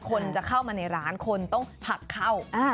คนจะเข้ามาในร้านคนต้องผักเข้า